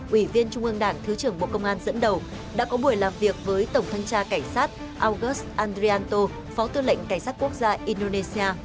ủy viên trung ương đảng thứ trưởng bộ công an dẫn đầu đã có buổi làm việc với tổng thân tra cảnh sát august andrianto phó tư lệnh cảnh sát quốc gia indonesia